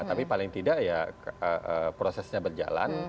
tapi paling tidak ya prosesnya berjalan